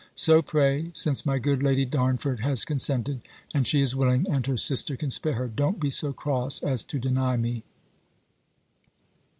So pray, since my good Lady Darnford has consented, and she is willing, and her sister can spare her; don't be so cross as to deny me.